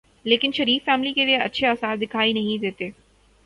لیکن شریف فیملی کے لیے اچھے آثار دکھائی نہیں دیتے۔